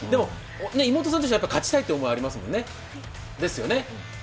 妹さんとしては勝ちたいという思いがありますよね。